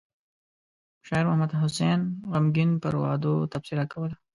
شاعر محمد حسين غمګين پر وعدو تبصره کوله.